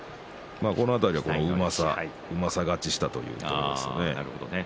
この辺りうまさ勝ちしたというところです